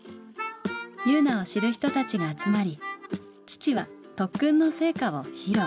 汐凪を知る人たちが集まり父は特訓の成果を披露。